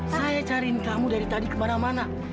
saya cariin kamu dari tadi kemana mana